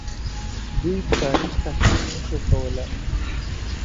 دوی د تاریخ تحلیل نه شو کولای